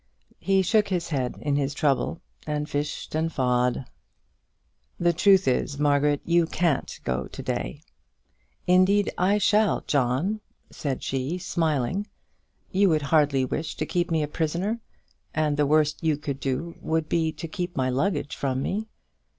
He shook his head in his trouble, and pished and pshawed. "The truth is, Margaret, you can't go to day." "Indeed I shall, John," said she, smiling. "You would hardly wish to keep me a prisoner, and the worst you could do would be to keep my luggage from me."